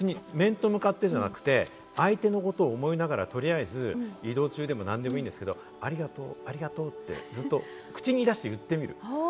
面と向かってじゃなくて、相手のことを取りあえず移動中でも何でもいいんですけれども、ありがとう、ありがとうって口に出して言ってみる。